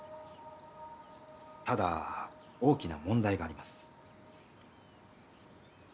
ただ大きな問題があります。